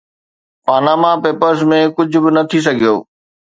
Panama papers ۾ ڪجهه به نه ٿي سگهيو.